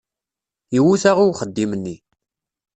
Iwuta i uxeddim-nni.